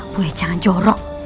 bude jangan jorok